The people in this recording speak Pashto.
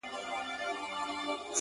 څه رنګه سپوږمۍ ده له څراغه يې رڼا وړې ـ